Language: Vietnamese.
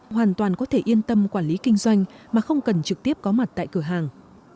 hoàn toàn có thể yên tâm quản lý kinh doanh mà không cần trực tiếp có mặt tại cửa hàng